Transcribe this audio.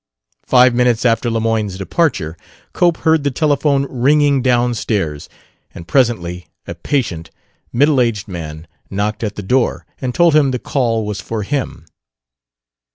Five minutes after Lemoyne's departure Cope heard the telephone ringing downstairs, and presently a patient, middle aged man knocked at the door and told him the call was for him.